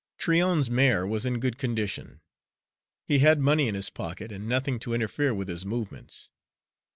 Tryon's mare was in good condition. He had money in his pocket and nothing to interfere with his movements.